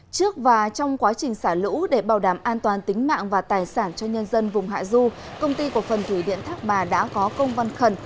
trước và trong quá trình xả lũ để bảo đảm an toàn tính mạng và tài sản cho nhân dân vùng hạ du công ty của phần thủy điện thác bà đã có công văn khẩn